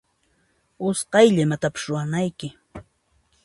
Usqaylla imatapis ruwanayki.